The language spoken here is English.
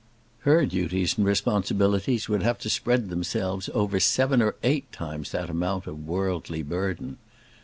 Her duties and responsibilities would have to spread themselves over seven or eight times that amount of worldly burden.